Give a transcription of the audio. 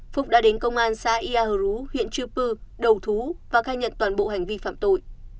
phúc đã đến công an xã ia hờ rú huyện chư pư đầu thú và khai nhận toàn bộ hành vi phạm tội